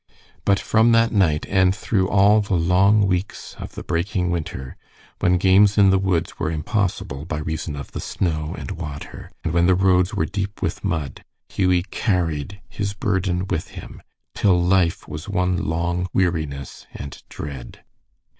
But from that night, and through all the long weeks of the breaking winter, when games in the woods were impossible by reason of the snow and water, and when the roads were deep with mud, Hughie carried his burden with him, till life was one long weariness and dread.